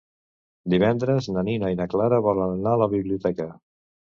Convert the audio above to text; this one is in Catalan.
Divendres na Nina i na Clara volen anar a la biblioteca.